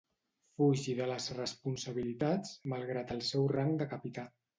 Fugi de les responsabilitats, malgrat el seu rang de capità.